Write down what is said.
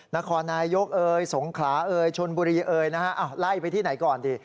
นครนายยกสงขลาชนบุรีไล่ไปที่ไหนก่อนดิ